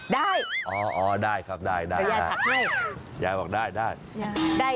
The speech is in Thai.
ได้อ๋ออ๋อได้ครับได้แต่ยายถักให้ยายบอกได้